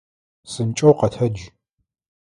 Псынкӏэу къэтэдж!